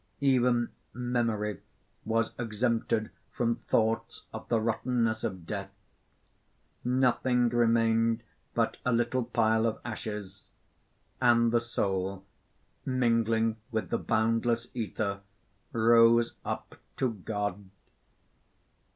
Even memory was exempted from thoughts of the rottenness of death. Nothing remained but a little pile of ashes. And the Soul, mingling with the boundless ether, rose up to God."